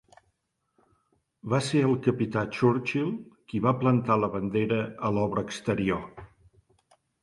Va ser el capità Churchill qui va plantar la bandera a l'obra exterior.